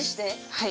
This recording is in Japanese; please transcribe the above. はい。